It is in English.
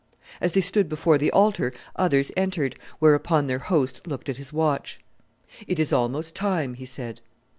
As they stood before the altar others entered, whereupon their host looked at his watch. "It is almost time," he said.